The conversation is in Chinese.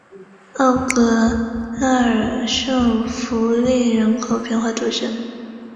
昂格拉尔圣费利人口变化图示